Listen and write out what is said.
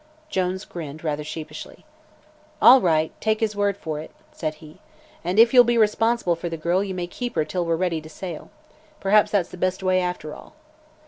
Jones grinned rather sheepishly. "All right, take his word for it," said he. "And if you'll be responsible for the girl you may keep her till we're ready to sail. Perhaps that's the best way, after all."